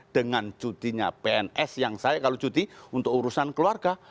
dengan cutinya pns yang saya kalau cuti untuk urusan keluarga